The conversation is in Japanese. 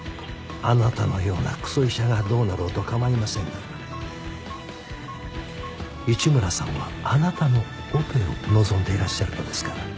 あなたのようなクソ医者がどうなろうと構いませんが一村さんはあなたのオペを望んでいらっしゃるのですから。